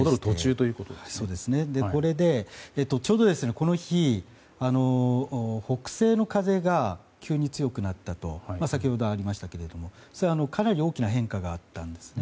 これでちょうどこの日北西の風が急に強くなったと先ほどありましたけどかなり大きな変化があったと。